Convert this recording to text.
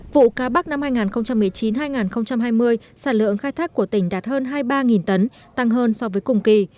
vụ cá bắc năm hai nghìn một mươi chín hai nghìn hai mươi sản lượng khai thác của tỉnh đạt hơn hai mươi ba tấn tăng hơn so với cùng kỳ